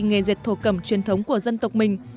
nghề dệt thổ cẩm truyền thống của dân tộc mình